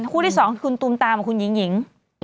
คู่ที่๒คุณตูมตามคุณหญิง